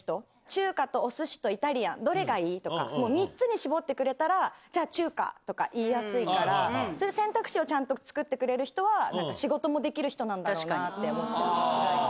中華とおすしとイタリアン、どれがいい？とか、もう３つに絞ってくれたら、じゃあ中華とか言いやすいから、そういう選択肢をちゃんと作ってくれる人は、仕事もできる人なんだろうなって思っちゃいますね。